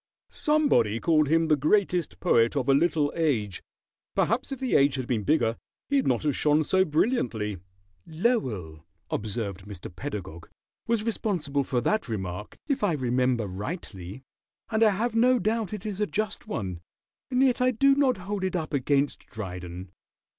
Somebody called him the Greatest Poet of a Little Age. Perhaps if the age had been bigger he'd not have shone so brilliantly." "Lowell," observed Mr. Pedagog, "was responsible for that remark, if I remember rightly, and I have no doubt it is a just one, and yet I do not hold it up against Dryden.